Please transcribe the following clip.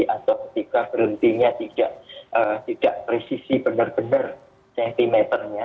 atau ketika berhentinya tidak presisi benar benar citymeternya